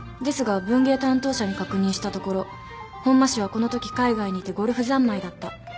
ですが文芸担当者に確認したところ本間氏はこのとき海外にいてゴルフざんまいだった。